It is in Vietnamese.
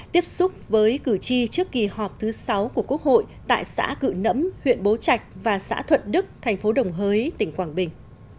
tiếp xúc với cử tri trước kỳ họp thứ sáu của quốc hội tại xã cự nẫm huyện bố trạch và xã thuận đức thành phố đồng hới tỉnh quảng bình